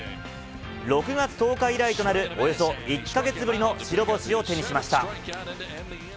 ６月１０日以来となる、およそ１か月ぶりの白星を手にしました。